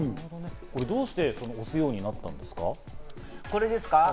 どうして推すようになったんですか？